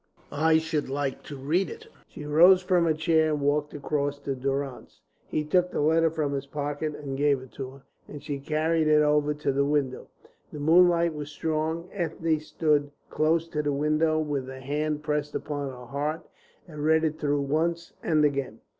"I should like to read it." She rose from her chair and walked across to Durrance. He took the letter from his pocket and gave it to her, and she carried it over to the window. The moonlight was strong. Ethne stood close by the window, with a hand pressed upon her heart, and read it through once and again.